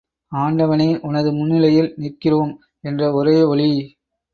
ஆண்டவனே உனது முன்னிலையில் நிற்கிறோம் என்ற ஒரே ஒலி.